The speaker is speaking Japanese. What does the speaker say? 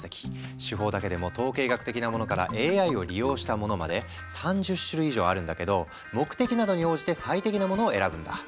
手法だけでも統計学的なものからＡＩを利用したものまで３０種類以上あるんだけど目的などに応じて最適なものを選ぶんだ。